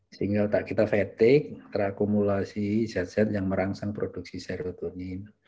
sehingga otak kita fetik terakumulasi zat zat yang merangsang produksi serotonin